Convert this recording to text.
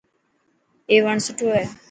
اي وڻ سٺو هي.